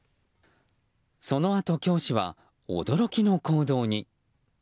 そのあと、教師は驚きの行動に。